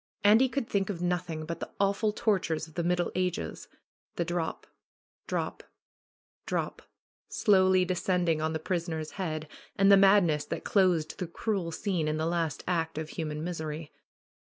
Andy could think of nothing but the awful tortures of the Middle Ages. The drop, drop, drop slowly descending on the prisoner's head and the mad ness that closed the cruel scene in the last act of human misery.